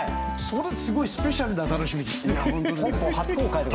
それすごいスペシャルな楽しみですね。